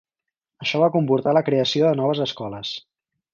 Això va comportar la creació de noves escoles.